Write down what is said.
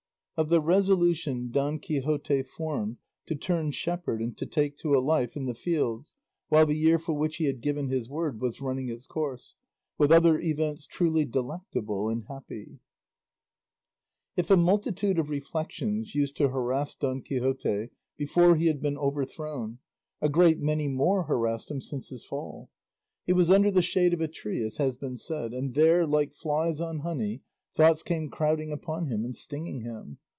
OF THE RESOLUTION DON QUIXOTE FORMED TO TURN SHEPHERD AND TAKE TO A LIFE IN THE FIELDS WHILE THE YEAR FOR WHICH HE HAD GIVEN HIS WORD WAS RUNNING ITS COURSE; WITH OTHER EVENTS TRULY DELECTABLE AND HAPPY If a multitude of reflections used to harass Don Quixote before he had been overthrown, a great many more harassed him since his fall. He was under the shade of a tree, as has been said, and there, like flies on honey, thoughts came crowding upon him and stinging him.